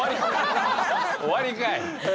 終わりかい！